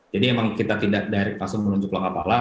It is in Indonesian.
jadi memang kita tidak langsung menunjuk lokapala